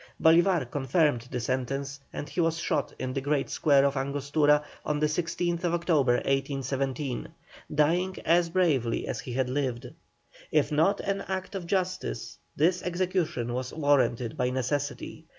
Bolívar confirmed the sentence and he was shot in the great square of Angostura on the 16th October, 1817, dying as bravely as he had lived. If not an act of justice, this execution was warranted by necessity.